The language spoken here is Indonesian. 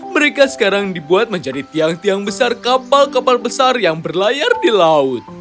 mereka sekarang dibuat menjadi tiang tiang besar kapal kapal besar yang berlayar di laut